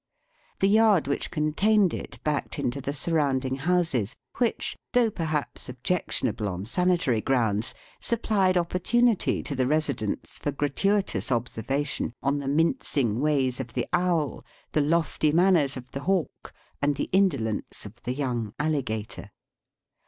The yard which con tained it backed into the surrounding houses, which, though perhaps objectionable on sani tary grounds, supplied, opportunity to the residents for gratuitous observation on the mincing ways of the owl, the lofty manners of the hawk, and the indolence of the young alligator.